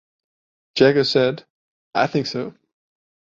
Jagger said: I think so.